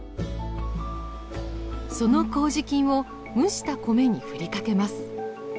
その麹菌を蒸した米に振りかけます。